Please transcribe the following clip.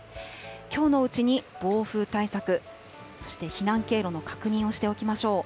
きょうのうちに暴風対策、そして避難経路の確認をしておきましょう。